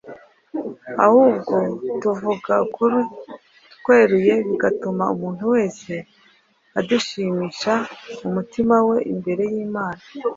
ahubwo tuvuga ukuri tweruye bigatuma umuntu wese adushimisha umutima we imbere y’Imana.